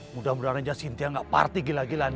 mudah mudahan aja sintia gak party gila gila